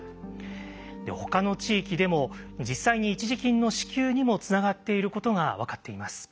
ほかの地域でも実際に一時金の支給にもつながっていることが分かっています。